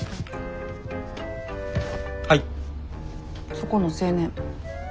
そこの青年。